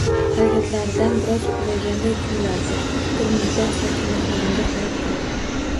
Harakatlaridan biroz ulg'ayganday tuyulardi. Bir muddat Fotimaxonimga qarab turdi.